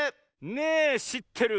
「ねぇしってる？」